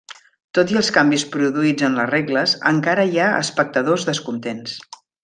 Tot i els canvis produïts en les regles, encara hi ha espectadors descontents.